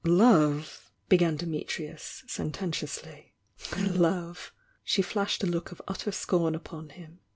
"p>ve— " began Dimitrius, sententiously. Love!" She flashed a look of utter scorn upon him.